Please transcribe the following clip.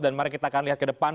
dan mari kita akan lihat ke depan